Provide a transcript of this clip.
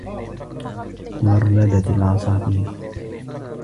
غردت العصافير.